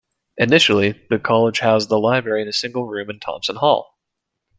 Initially, the College housed the library in a single room in Thompson Hall.